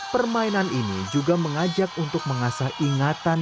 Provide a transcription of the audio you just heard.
permainan ini juga mengajak untuk mengasah ingatan